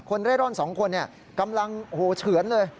เร่ร่อน๒คนกำลังเฉือนเลย